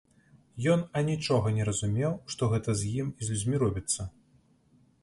Ён анічога не разумеў, што гэта з ім і з людзьмі робіцца.